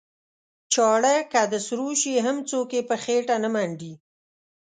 چاړه که د سرو شي هم څوک یې په خېټه نه منډي.